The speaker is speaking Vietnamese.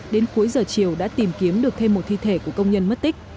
đến cuối giờ chiều đã tìm kiếm được thêm một thi thể của công nhân mất tích